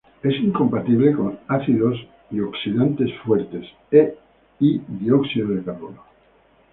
Es incompatible con ácidos fuertes, oxidantes fuertes y dióxido de carbono.